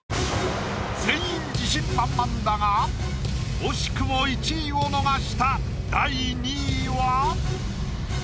全員自信満々だが惜しくも１位を逃した。